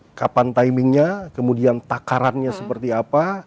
kemudian kita tetapkan kapan timingnya kemudian takarannya seperti apa